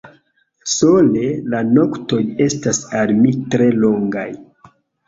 Sole la noktoj estas al mi tre longaj.